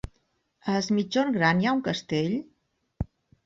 A Es Migjorn Gran hi ha un castell?